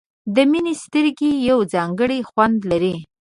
د مینې سترګې یو ځانګړی خوند لري.